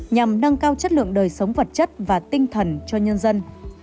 nhằm nâng cao chất lượng đời sống vật chất và tinh thần cho nhân dân